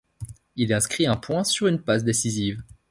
Il inscrit un point sur une passe décisive.